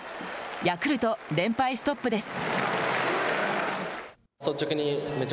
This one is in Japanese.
ヤクルト、連敗ストップです。